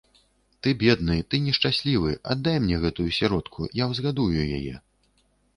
Ты бедны, ты нешчаслівы, аддай мне гэтую сіротку, я ўзгадую яе.